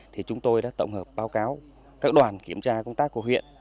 thì chúng tôi đã tổng hợp báo cáo các đoàn kiểm tra công tác của huyện